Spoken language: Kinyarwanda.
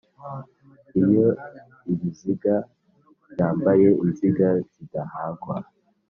iyo ibiziga byambaye inziga zidahagwa